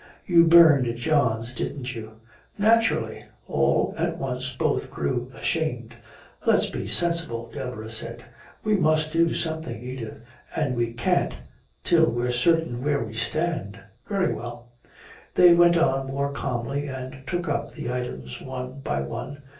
"You burned John's, didn't you?" "Naturally!" All at once both grew ashamed. "Let's be sensible," Deborah said. "We must do something, Edith and we can't till we're certain where we stand." "Very well " They went on more calmly and took up the items one by one.